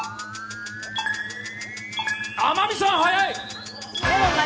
天海さん、早い。